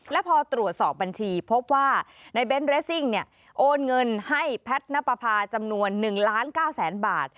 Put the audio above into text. แล้วพอตรวจสอบบัญชีพบว่าในเบนด์เรสซิ่งโอนเงินให้แพทย์นปภาจำนวน๑๙๐๐๐๐๐บาท